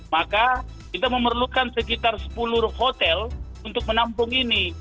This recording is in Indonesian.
maka kita memerlukan sekitar sepuluh hotel untuk menampung ini